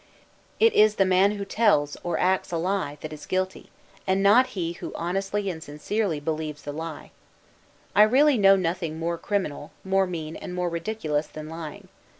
It is the man who tells, or who acts a lie, that is guilty, and not he who honestly and sincerely believes the lie. I really know nothing more criminal, more mean, and more ridiculous than lying.